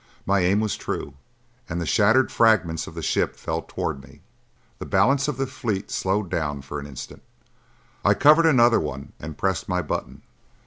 My aim was true, and the shattered fragments of the ship fell toward me. The balance of the fleet slowed down for an instant; I covered another one and pressed my button.